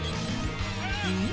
うん？